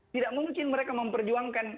tidak mungkin mereka memperjuangkan